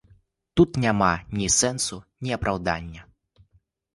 Тут няма ні сэнсу, ні апраўдання.